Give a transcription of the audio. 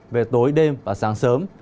về tối đêm và sáng sớm